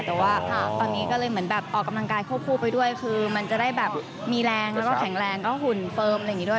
แต่ว่าตอนนี้ก็เลยเหมือนแบบออกกำลังกายควบคู่ไปด้วยคือมันจะได้แบบมีแรงแล้วก็แข็งแรงก็หุ่นเฟิร์มอะไรอย่างนี้ด้วย